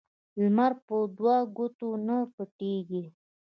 لمرپه دوو ګوتو نه پټيږي